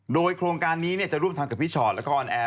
โดยโครงการนี้จะร่วมทำกับพี่ชอตแล้วก็ออนแอร์